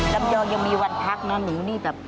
ลำยองยังมีวันพักเนอะหนูนี่แบบ